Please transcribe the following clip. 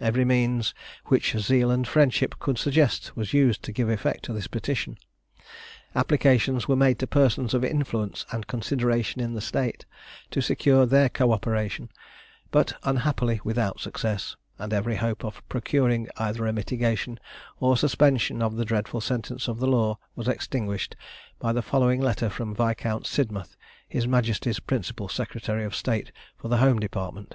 Every means which zeal and friendship could suggest was used to give effect to this petition: applications were made to persons of influence and consideration in the state, to secure their co operation, but, unhappily, without success; and every hope of procuring either a mitigation or suspension of the dreadful sentence of the law was extinguished by the following letter from Viscount Sidmouth, his Majesty's principal Secretary of State for the Home Department.